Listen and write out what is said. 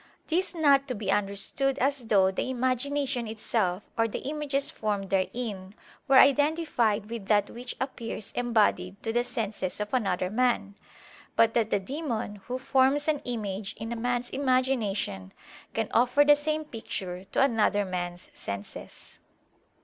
This not to be understood as though the imagination itself or the images formed therein were identified with that which appears embodied to the senses of another man: but that the demon, who forms an image in a man's imagination, can offer the same picture to another man's senses.